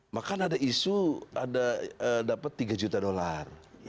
maka ada isu dapat tiga juta dolar